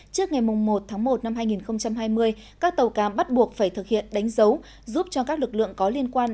trước ngày một tháng một năm hai nghìn hai mươi các tàu cá bắt buộc phải thực hiện đánh dấu giúp cho các lực lượng có liên quan